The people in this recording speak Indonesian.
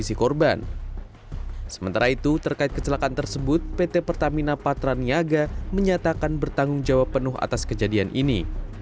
sementara itu terkait kecelakaan tersebut pt pertamina patraniaga menyatakan bertanggung jawab penuh atas kejadian ini